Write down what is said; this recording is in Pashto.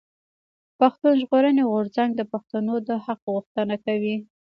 پښتون ژغورنې غورځنګ د پښتنو د حق غوښتنه کوي.